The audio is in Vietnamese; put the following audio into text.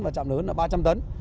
và trạm lớn là ba trăm linh tấn